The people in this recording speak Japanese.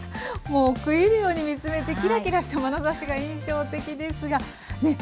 もう食い入るように見つめてキラキラしたまなざしが印象的ですがね。